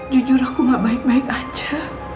jujur aku gak baik baik aja